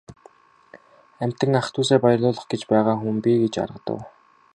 Амьтан ах дүүсээ баярлуулах гэж байгаа хүн би гэж аргадав.